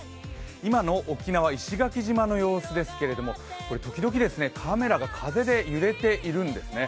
今の沖縄・石垣島の様子ですけれども、時々カメラが風で揺れているんですね。